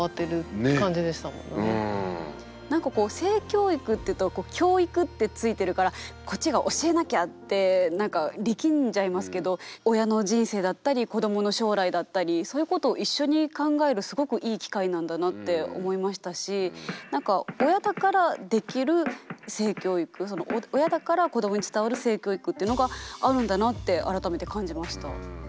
なんかこう「性教育」っていうとこう「教育」ってついてるからこっちが教えなきゃってなんか力んじゃいますけど親の人生だったり子どもの将来だったりそういうことを一緒に考えるすごくいい機会なんだなって思いましたしなんか親だからできる性教育親だから子どもに伝わる性教育っていうのがあるんだなって改めて感じました。